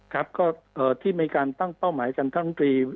ครับก็ที่มีการตั้งเป้าหมายกันท่านตรี